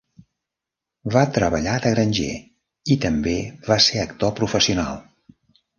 Va treballar de granger i també va ser actor professional.